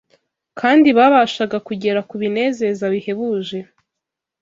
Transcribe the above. kandi babashaga kugera ku binezeza bihebuje